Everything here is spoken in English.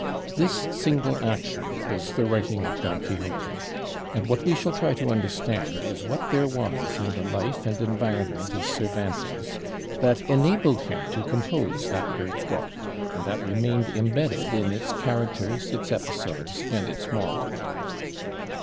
This single action is the writing of 'Don Quixote': and what we shall try to understand is what there was in the life and environment of Cervantes that enabled him to compose that great book, and that remained imbedded in its characters, its episodes, and its moral.